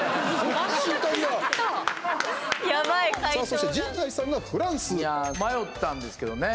そして陣内さんがフランス。迷ったんですけどね。